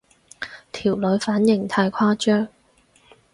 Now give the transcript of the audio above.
條女反應太誇張